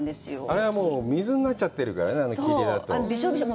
あれは水になっちゃってるからね、霧だと。